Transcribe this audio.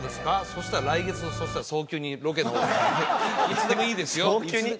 そしたら来月そしたら早急にロケの方にいつでもいいですよ早急に？